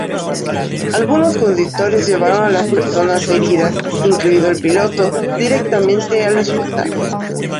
Algunos conductores llevaron a las personas heridas, incluido el piloto, directamente al hospital.